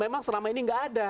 memang selama ini nggak ada